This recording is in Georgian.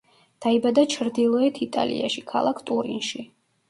დაიბადა ჩრდილოეთ იტალიაში, ქალაქ ტურინში.